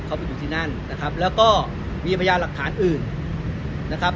เขาไปอยู่ที่นั่นนะครับแล้วก็มีพยานหลักฐานอื่นนะครับ